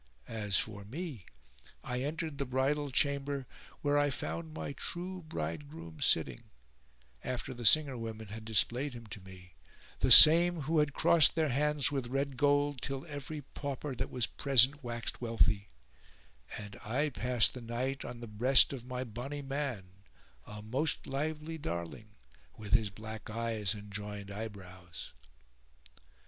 As for me I entered the bridal chamber, where I found my true bridegroom sitting, after the singer women had displayed me to him; the same who had crossed their hands with red gold, till every pauper that was present waxed wealthy; and I passed the night on the breast of my bonny man, a most lively darling, with his black eyes and joined eyebrows."